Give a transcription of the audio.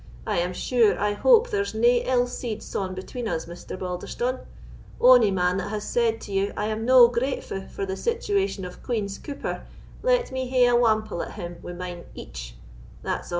I am sure I hope there's nae ill seed sawn between us, Mr. Balderstone. Ony man that has said to ye I am no gratefu' for the situation of Queen's cooper, let me hae a whample at him wi' mine eatche, that's a'."